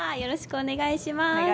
お願いします。